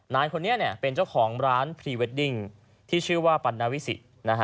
นายคนนี้เป็นเจ้าของร้านพรีเวดดิ้งที่ชื่อว่าปัณวิสินะฮะ